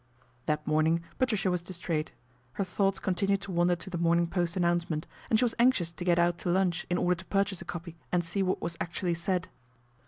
That morning Patricia was distraite. Her thoughts continued to wander to The Morning Post announcement, and she was anxious to get out to lunch in order to purchase a copy and see what was actually said.